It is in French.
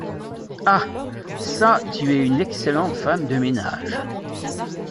Ah ! çà, tu es une excellente femme de ménage.